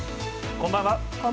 こんばんは。